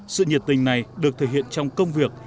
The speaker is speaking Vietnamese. sự nhiệt tình này được thể hiện trong công việc